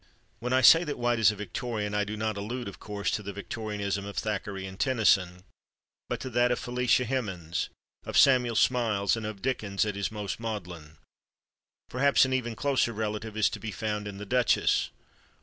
When I say that White is a Victorian I do not allude, of course, to the Victorianism of Thackeray and Tennyson, but to that of Felicia Hemens, of Samuel Smiles and of Dickens at his most maudlin. Perhaps an even closer relative is to be found in "The Duchess."